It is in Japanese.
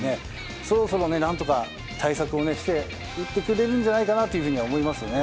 そろそろ何とか対策をして打ってくれるんじゃないかなと思いますね。